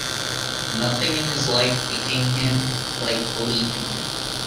Nothing in his life became him like the leaving it